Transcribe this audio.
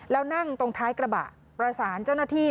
แล้วนั่งตรงท้ายกระบะประสานเจ้าหน้าที่